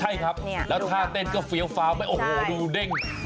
ใช่ครับแล้วท่าเต้นก็เฟี้ยวฟ้าไม่โอ้โหดูเด้ง